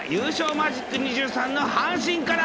マジック２３の阪神から。